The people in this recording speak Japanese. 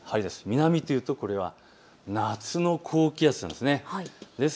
南というと夏の高気圧なんです。